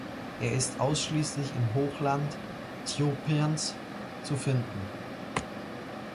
Er ist ausschließlich im Hochland Äthiopiens zu finden.